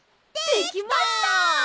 できました！